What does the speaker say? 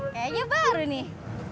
kayaknya baru nih